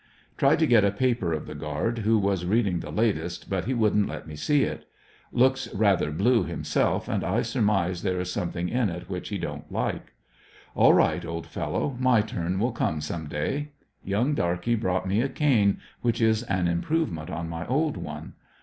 Tried to get a paper of the guard, who was reading the latest, but he wouldn't let me see it. Looks rather blue himself, and I sur mise there is something in it which he don't like. All right, old fellow, my turn will come some day. Young darky brought me a cane, which is an improvement on my old one.